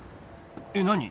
えっ何？